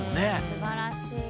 すばらしい。